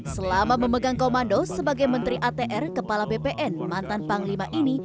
selama memegang komando sebagai menteri atr kepala bpn mantan panglima ini